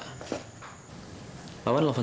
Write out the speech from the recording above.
saya ingin jadi orang orang bagus